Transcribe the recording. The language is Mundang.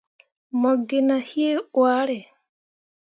Mo gi nah hii hwaare.